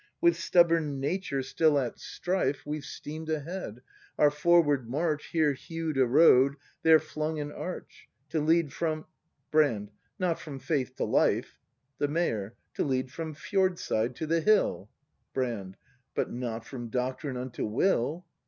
With stubborn nature still at strife 132 BRAND [act iu We've steam'd ahead: our forward march Here hew'd a road, there flung an arch — To lead from Brand. Not from Faith to Life. The Mayor. To lead from fjordside to the hill. Brand. But not from Doctrine unto Will.